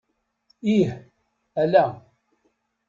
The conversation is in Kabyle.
Ih, ala.